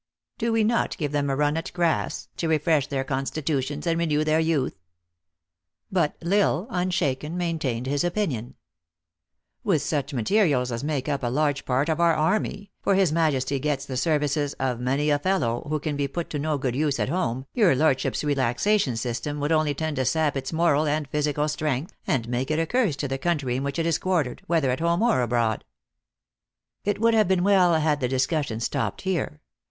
"Do we not give them a run at grass, to refresh their constitutions and renew their youth ?" But L Isle unshaken maintained his opinion, "With such materials as make up a large part of our army, for his majesty gets the services of many a fellow who 262 THE ACTRESS IN" HIGH LIFE. can be put to no good use at home, your lordship s relaxation system would only tencl to sap its moral and physical strength, and make it a curse to the country in which it is quartered, whether at home or abroad." It would have been well had the discussion stopped here.